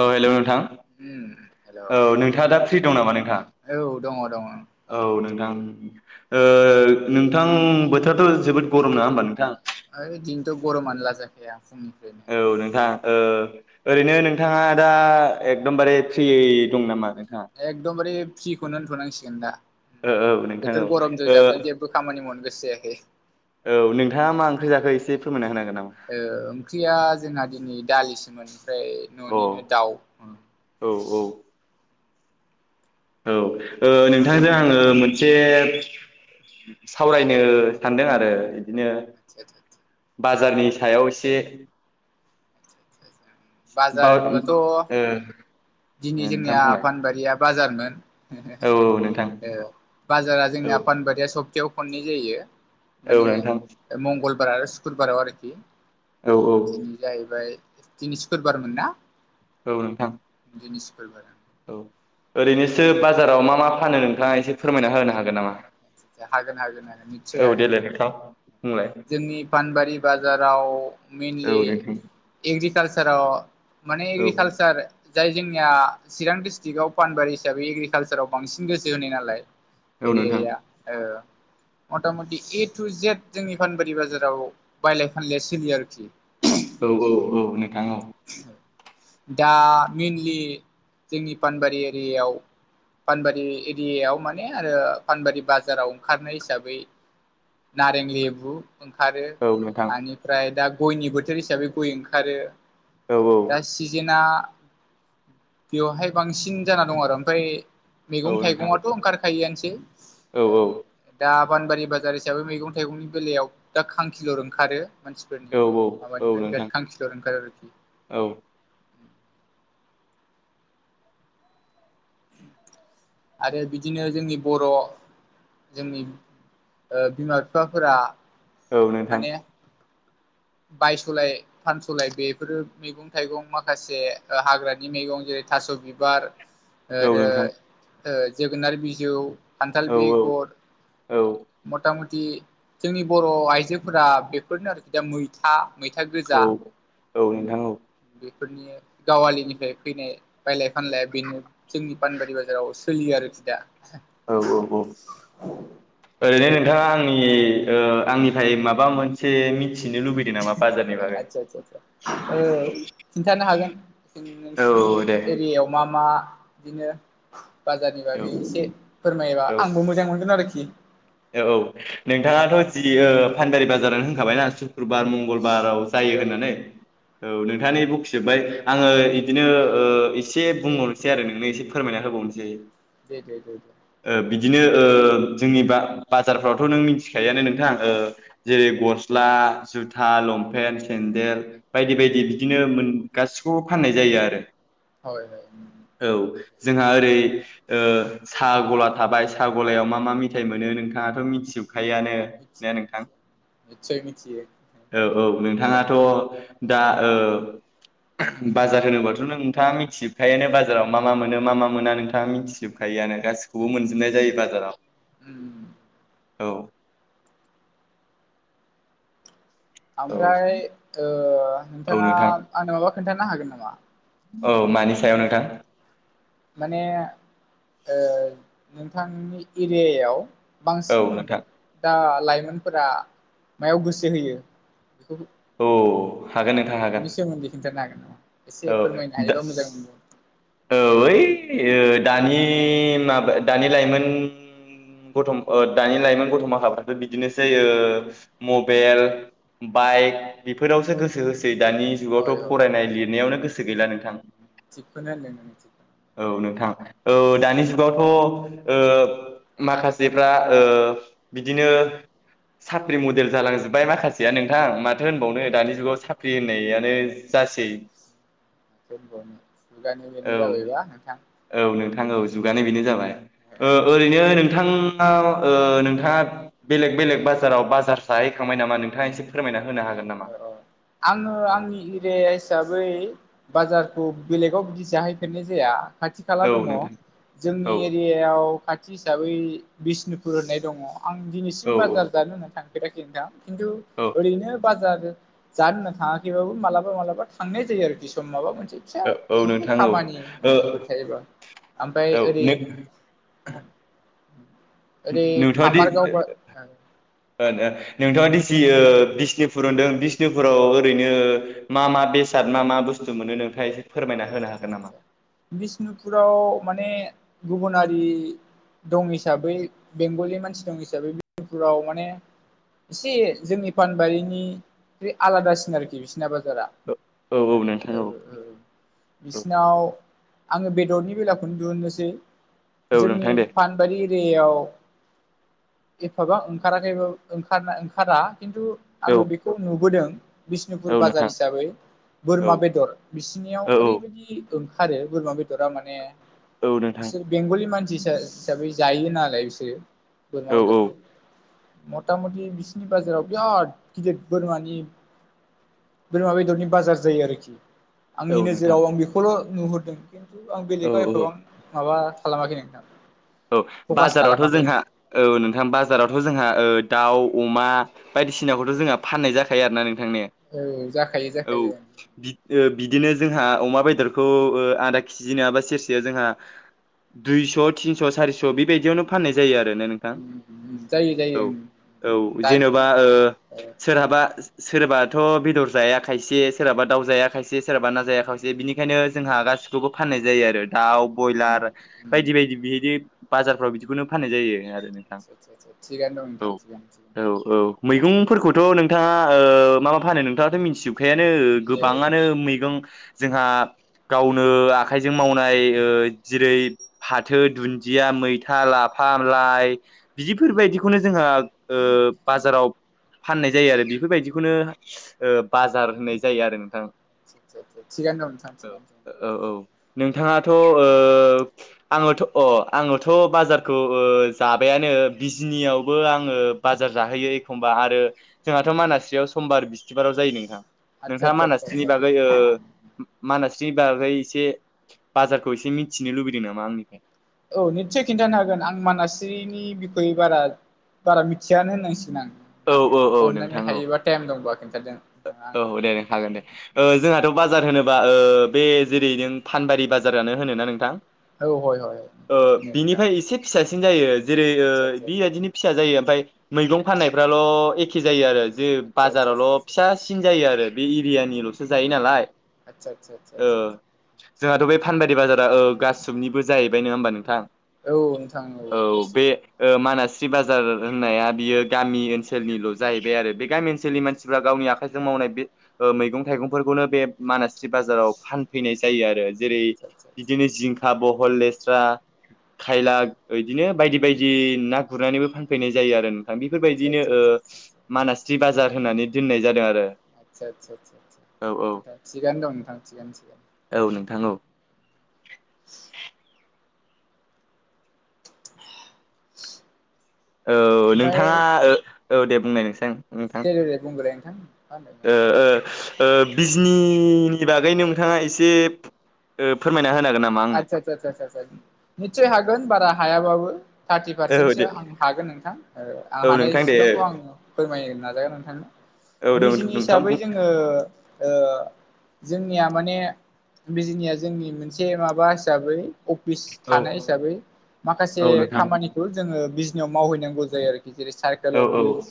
औ हेल' नोंथां। औ नोंथाङा दा फ्रि दं नामा नोंथां दङ दङ औ नों थां ओ नोंथां बोथोराथ' जोबोद गरम नङा होमबा नोंथां? ओइ दिनैथ' गरमानो लाजाखाया। फुंनिफ्रायनो औ नोंथां ओ ओरैनो नोंथाङा दा एकदमबारे फ्रियै दं नामा? नोंथाङा एखदमबारे फ्रिखौनो होनथ'नांसिगोन दा। ओ औ नोंथां औ बोथोर ओ गरमजों-जाबजों जेबो खामानि मोवनो गोसो जायाखै। औ नोंथाङा मा ओंख्रि जाखो इसे फोरमायना होनो हागोन? नामा ओ ओंख्रिया जोंना दिनै दालिसोमोन ओमफ्राय न'निनो दाउ ओं। औ-औ। औ ओ नोंथांजों आङो मोनसे सावरायनो सानदों आरो। बिदिनो आतसा-आतसा-आतसा बाजारनि सायाव इसे बाजार बा ओ होनब्लाथ' दिनै नोंथां जोंनिया बुंलाय पानबारिया बाजारमोन। औ औ नोंथां औ बाजारा औ जोंनिया पानबारिया सबतायाव खननै जायो। औ माने ओ नोंथां मंगलबार आरो सुक्रबाराव आरोखि औ औ दिनै जाहैबाय दिनै सुकुरबारमोन ना? औ नोंथां। दिनै सुकुरबार। औ ओरैनोसो बाजाराव मा-मा फानो? नोंथाङा एसे फोरमायना होनो हागोन नामा आतसा-सा-सा-सा-सा हागोन-हागोन-हागोन नितसय औ हागोन। देलाय नोंथां बुंलाय जोंनि पानबारि बाजाराव मेनलि औ नोंथां एग्रिकालस राव माने औ एग्रिकालचार जाय जोंनिया चिरां डिसट्रिकआव पानबारि हिसाबै एग्रिकालसाराव बांसिन गोसो होनाय नालाय औ नोंथां एरियाया ओ मथा-मथि ए टु जेद जोंनि पानबारि बाजाराव बायलाय-फानलाया सोलियो आरोखि। औ औ‌ औ नोंथां औ। दा मेनलि जोंनि पानबारि एरियायाव पानबारि ए एरियायाव माने आरो पानबारि बाजाराव ओंखारनाय हिसाबै नारें लेबु ओंखारो औ नोंथां आनिफ्राय दा गयनि बोथोर हिसाबै गय ओंखारो। औ ओ दा सिजेना बेवावहाय बांसिन जाना दङ' आरो ओमफ्राय औ नोंथां मैगं-थाइगङाथ' ओंखार खायोआनोसै औ औ ओ औ दा पानबारि बाजार हिसाबै मैगं-थाइगंनि बेलायाव दा खांखिलर ओंखारो। मानसिफोरनि औ माबानिफ्राय नोंथां [unintelligible] खांखिलुर ओंखारो आरोखि। औ। [inaudible] आरो बिदिनो जोंनि बर' जोंनि ओ बिमा-बिफाफोरा औ नोंथां। बायस'लाय फानस'लाय बेफोरो मैगं थाइगं माखासे हाग्रानि मैगं जेरै थास' बिबार आरो नोंथां ओ जोगोनार बिजौ खान्थाल औ बेगर औ मथा म दि जोंनि बर' आइजोफोरा बेफोरनो आरोखि दा मैथा, मैथा गोजा औ औ नोंथां औ। बेफोरनि गावालिनिफ्राय फैनाय बायलाय फानलाया बेनो जोंनि पानबारि बाजाराव सोलियो आरोखि दा। औ औ औ ओरैनो दा आंनि ओ आंनिफ्राय माबा मोनसे मि थिनो लुबैदों नामा बाजारनि बागै? आदसा आदसा आदसा जों औ नोंसिनि एरियायाव मा मा बिदिनो बाजारनि बागै एसे फोरमायोबा औ आंबो मोजां मोनगोन आरोखि। औ औ, नोंथाङाथ' जि फानदारि बाजारनो होनखाबायना‌ शुक्रुबार मंगलबाराव जायो औ होननानै। औ नोंथाङानि बखिजोबबाय आङो बिदिनो ओ एसे बुंहरनोसै आरो नोंनो एसे फोरमायना होबाव नोसै। दे दे दे। बिदिनो ओ जोंनि बा जारफ्रावथ' नों मिथिखायोानो नोंथां ओ जेरै गस्ला जुथा लंपेन सेन देल बायदि बायदि बिदिनो मोन गासिखौबो फाननाय जायो आरो। हय हय। औ जोंहा ओरै ओ साहा गला थाबाय साहा गलायाव मा मा मेथाइ मोनो नों थां मिथिजोब खायानो मिथियो ने नोंथां? निस्सय मिथियो औ नोंथां। औ नोंथाङाथ' दा ओ बाजार होनोबाथ' नोंथाङा मिथिजोबखायोयानो बाजाराव मा मा मोनो मा मा मोना नोंथाङा मिथिजोबखायोयानो। गासिखौबो मोनजोबनाय जायो बाजाराव। औ। औ ओमफ्राय ओ औ नोंथाङा नोंथां आंनो माबा खोन्थानो हागोन नामा? औ मानि सायाव नोंथां? माने ओ नोंथांनि एरियायाव औ बांसिन नोंथां दा लाइमोनफोरा मायाव गोसो होयो बेखौ औ औ। बेनि सोमोन्दै खिन्थानो हागोन नामा? एसे औ फोरमायनो दा हायोबा मोजां मोनगौ। औ ओइ ओ दानि माबा दानि लाइमोन गथम दानि लाइमोन गथमा हाराथ' बिदिनोसै ओ मबेल बाइक बेफोरावसो गोसो हो दानि हय जुगावथ' हय फरायनाय लिरनायावनो गोसो गैला नोंथां। थिगखौनो होनदों नों थिगखौनो औ नोंथां औ, दानि जुगावथ' ओ माखासेफ्रा ओ बिदिनो साख्रि मडेल जालांजोब्बाय माखासेया नोंथां मार थो होनबावनो दानि जुगाव साख्रि होननायानो जासै। [unintelligible] औ जाबायबा नोंथां औ नोंथां औ जुगानाय बेनो जाबाय। ओ ओरैनो नों नोंथाङाव नोंथाङा बेलेग बेलेग बाजाराव बाजार साहैखांबाय नामा नोंथाङा एसे फोरमायना हो औ औ आङो आंनि औ एरिया हिसाबै बाजार बेलेगाव बिदि जाहैफेरनाय जाया खाथि खाला दङ नोंथां जोंनि औ एरियायाव खा हिसाबै बिष्णुपुर होननाय दङ आं दिनैसिम औ बाजार जानो होननानै थांफेराखै नोंथां। खिन्थु औ ओरैनो थाङाखैबो मालाबा माबा थांनाय जायो आरोखि सम माबा मोनसे औ औ बिदिनो नोंथां औ ओ खामानिफोर थायोबा ओमफाय औ ओरै नों [inaudible] ओरै नुथ'वादि खामारगाव ओ ओ नोंथाङा दि जियो ओ बिष्णुपुर होनदों बिष्णुपुराव ओरैनो मा मा बेसाद मा मा बुस बुस्थु मोनो नोंथाआ ए आदसा आदसा बिष्णुपुराव माने गुबुनारि दं हिसाबै बेंगलिनि मानसि दं हिसाबै [unintelligible] पुराव माने एसे जोंनि फानबारिनि बे आलादासिन आरोखि बि सिना बाजारा माने औ औ बिसिनाव आङो बेदरनि बेलाखौनो दिहुनोसै औ जोंनि नोंथां दे फानबारि दैयाव एफाबा ओंखाराखैबाबो ओंखार ओंखारा खिन्थु औ आङो बेखौ नुबोदों। बिष्णुपुर औ बाजार नोंथां हिसाबै औ बोरमा बेदर बिसिनियाव औ औ ओरैबायदि ओंखारो बोरमा बेदरा माने औ नोंथां बिसोर बेंगलि मानसि हिसाबै जायो नालाय बिसोरो बोरमा औ औ बेदरखौ मथा मथि बिसिनि बाजाराव बिराद गिदिर बोरमानि बोरमा बेदरनि बाजार जायो आरोखि आंनि औ नोंथां नोजोराव आं बेखौल' नुहुरदों खिन्थु आं औ बेलेगाव औ एफाबां माबा खालामाखै नोंथां। औ फकास बाजारावथ' खालामाखै जोंहा औ नोंथां बाजारावथ' जोंहा ओ दाउ अमा बायदिसिनाखौथ' जोंहा फाननाय जाखायो आरोना नों औ जाखायो [inaudible] औ जाखायो [inaudible] बिदिनो जोंहा अमा बेदरखौ ओ आदा केजि नङाबा सेरसेया जोंहा दुइस' थिनस' सारिस' बेबायदियावनो फाननाय जायो आरो। नोंथां जायो जायो औ ओं औ दानि जेन'बा ओ ओ सोरहाबा सोरबाथ' बेदर जाया खायसे सोरहाबा दाउ जाय खायसे सोरहाबा ना जाया खायसे बिनिखायनो जोंहा गा गासिखौबो फाननाय जायो आरो। दाउ बयलार बायदि बायदि बिदि बाजारफ्राव बिदिखौनो फाननाय जायो आरो। नोंथां आसा आसा थिगानो दं औ नोंथां। औ औ मैगंफोरखौथ' नोंथाङा ओ मा मा फानो नोंथाङाथ' मिथिजोब फायानो ए गोबाङानो मैगं जोंहा गावनो आखाइजों मावनाय ओ जेरै फाथो दुन्दिया मैथा लाफा लाइ बिदिफोरबायदिखौनो जोंहा ओ बाजाराव फाननाय जायो आरो बेफोरबायदिखौनो ओ बाजार होनाय जायो आरो नोंथां। थिगानो दङ नोंथां औ थिगानो। औ नोंथाङाथ' ओ आङोथ' अ आङोथ' बाजारखौओ जाबायानो बिजनियावबो आङो बाजार जाहोयो एखमबा आरो जोंहाथ' मानास्रियाव समबार बिस्थिबाराव जायो नोंथां। आदसा नोंथाङा आदसा मानास्रिनि आदसा ओ आदसा बागै मानास नि बाराय एसे बाजारखौ एसे मिथिनो लुबैदों नामा आंनिफ्राय औ निस्सय खिन्थानो हागोन आं मानास्रिनि बिखयै बारा बारा मिथियानो होननांसिगोन आं औ नोंथां औ औ अननानै नोंथां औ हायोबा टाइम दंबा खोन्थादो नोंथाङा औ आंनो दे नोंथां हागोन दे जोंहाथ' बाजार होनोबा ओ बे जेरै नों फानबारि बाजारानो होनोना नोंथां। औ हय हय ओ मोनो नोंथां बिनिफ्राय एसे फिसा सिन जायो जेरै आतसा आतसा आतसा बेबायदिनो फिसा जायो ओमफ्राय मैगं फाननायफ्राल' एखे जायो आरो आतसा आतसा आतसा बाजारावल' फिसासिन जायो आरो बे एरियानिल'सो जायो नालाय आतसा आतसा आतसा ओ आतसा जोंहाथ' बे फानबारि बाजारा ओ गासैनिबो जाहैबाय नङा होमबा नोंथां औ नोंथां औ बे गासिबो ओ मानास बाजार होननाया बियो गामि ओनसोलनिल' जाहैबाय आरो बे गामि आतसा ओनसोलनि आतसा मानसिफ्रा गावनि आखाय जों मावनाय बे ओ मैगं थाइगंफोरखौनो बेब मानास बाजाराव फानैनाय जायो आरो। जेरै आतसा आतसा आतसा बिदिनो जिंखा बहल लेस्रा खायला यैदिनो बायदि बायदि ना गुरनानैबो फानफैनाय जायो आरो। आ बेफोरबायदिनो आतसा आतसा ओ आतसा मानास्रि बाजार होननानै दोननाय जादों आर आतचा आचा चा चा नोंथा सिगानो दं नोंथां चिगानो चिगानो। औ नोंथां औ [unintelligible] औ ओमफ्राय नोंथाङा ओ औ दे बुंनाय नोंसें। नोंथां दे दे दे बुंग्रोलाय नोंथां मा ओ होनदोंमोन ओ ओ बिजनीनि बागैनो नोंथाङा एसे ओ फोरमायना होना आतचा चा चा चा चा निथसाइ हागोन बारा हायाबाबो। थार्टि औ पारसेन्टसो दे आं हागोन नोंथां आं औ नोंथां दे हानायसिबांखौ आं फोरमायनो नाजागोन नोंथां। औ औ बिजिनि नोंथां हिसाबै बुं जोङो ओ जोंनिया माने बिजनिया जोंनि मोनसे माबा हिसाबै अफिस औ थानाय हिसाबै माखासे औ नोंथां खामानिखौ जोङो बिजनेाव मावहैनांगौ जायो आर जेरै सारकोल औ औ अफिस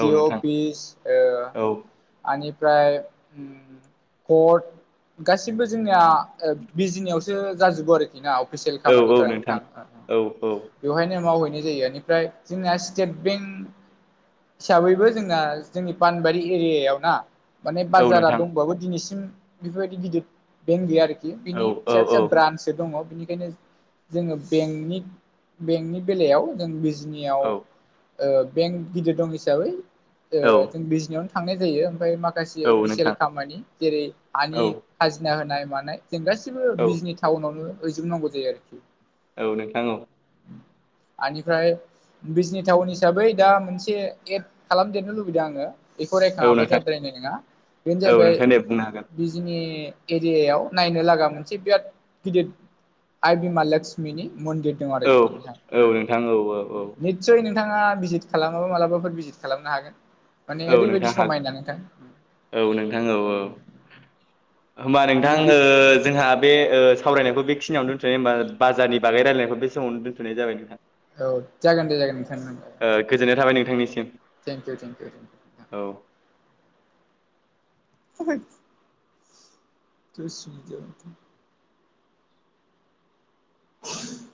औ नोंथां अफिस ओ औ आनिफ फ्राय कर्ट गासिबो जोंनिया बिजनियावसो जाजोबो आरोखि ना अफिसियेल औ औ नोंथां खामानिफोराथाङ औ औ बेवहायनो मावहै नाय जायो एनिफ्राय जोंना स्टेट बेंक तिसाबैबो जोंना जोंनि पानबारि एरियायाव ना माने औ बाजारा नोंथां दंबाबो दिनैसिम बेफोरबायदि गिदिर बेंक गैया आरोखि औ बिनि फिसा औ फिसा औ ब्रान्सो दङ' बेनिखायनो जोङो बेनि बेंकनि बेलायाव जों बिज बिजनियाव औ बें गिदिर दं हिसाबै औ ओ जों बिजनिआवन थांनाय जायो ओमफाय माखासे औ अफिसियेल नोंथां खामानि जेरै औ हानि खाजिना होनाय मानाय जों गासिबो औ बिजनि टाउनावनो हैजोबनांगौ जायो आरोखि। औ नोंथां औ। आनिफ्राय बिजनि टाउन हिसाबै दा मोनसे एड खालामदेरनो लुबैदों आङो बेखौ औ रायखाङाबा नोंथां जाद्रायनाय नङा बेनो औ जाहैबाय नोंथां दे बुंनो हागोन बिजनि एरियायाव नायनो लागा मोनसे बिआद गिदिर आइ बिमा लक्ष्मिनि मन्दिर दं औ आरोखि नोंथां औ नोंथां औ औ ओ निचसाइ थाङा भिजिट खालामाबा मालाबाफोर भिजिट खालामनो हागोन। माने औ ओरैबायदि नोंथां हाख समायना नोंथां औ नोंथां औ औ। होमबा नोंथां आं बे ओ जोंहा बे ओ सावरायनायखौ बेखनियावनो दोनथ'नाय होमबा बाजारनि बागैायलायनाय बे समावनो दोनथ'नाय जाबाय नोंथा औ जागोन दे जागोन ओ गोजोननाय थाबाय नोंथांनिसिम। Thank you thank you. औ। [unintelligible] [unintelligible]